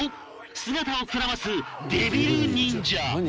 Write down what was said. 姿をくらますデビル忍者